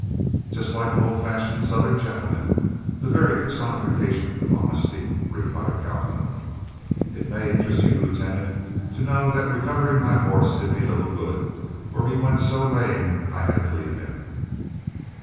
"Just like an old fashioned Southern gentleman, the very personification of honesty," replied Calhoun. "It may interest you, Lieutenant, to know that recovering my horse did me little good, for he went so lame I had to leave him."